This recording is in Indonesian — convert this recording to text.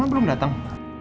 mama belum dateng